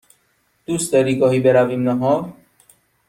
دوست داری گاهی برویم نهار؟